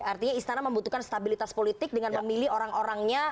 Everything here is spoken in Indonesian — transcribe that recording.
artinya istana membutuhkan stabilitas politik dengan memilih orang orangnya